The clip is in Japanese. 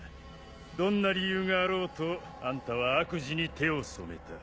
どんな理由があろうとあんたは悪事に手を染めた。